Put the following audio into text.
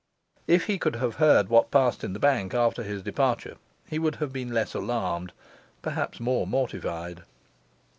If he could have heard what passed in the bank after his departure he would have been less alarmed, perhaps more mortified.